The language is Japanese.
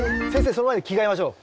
その前に着替えましょう。